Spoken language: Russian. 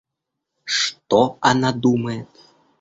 Что она думает?